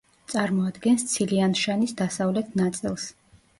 წარმოადგენს ცილიანშანის დასავლეთ ნაწილს.